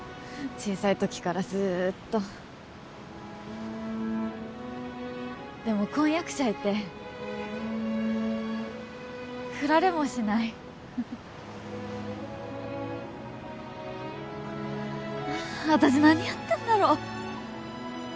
小さい時からずっとでも婚約者いてフラれもしない私何やってんだろう